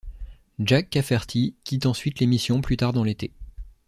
Jack Cafferty quitte ensuite l'émission plus tard dans l'été.